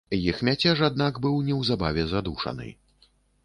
Іх мяцеж, аднак, быў неўзабаве задушаны.